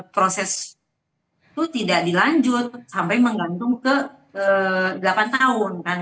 proses itu tidak dilanjut sampai menggantung ke delapan tahun kan